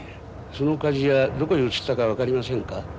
そのかじ屋どこに移ったか分かりませんか？